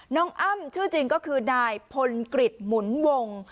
อ้ำชื่อจริงก็คือนายพลกฤษหมุนวง